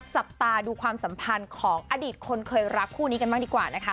จับตาดูความสัมพันธ์ของอดีตคนเคยรักคู่นี้กันบ้างดีกว่านะคะ